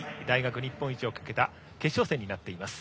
日本一をかけた決勝戦になっています。